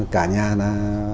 cả nhà là